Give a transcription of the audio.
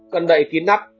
cần đậy kín nắp